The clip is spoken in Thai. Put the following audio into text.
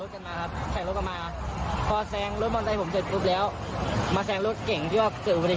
ว่ามันเจอขอแซงรถเก่งที่หัวพี่มีรถสวนเลนส์มาแล้วเขาเยี่ยงกันถูกตก